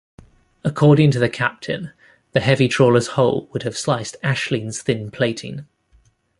According to the captain, the heavy trawler's hull would have sliced "Aisling"'s thin plating.